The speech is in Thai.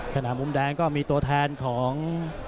มุมแดงก็มีตัวแทนของ